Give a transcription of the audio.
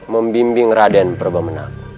membimbing raden perbomenang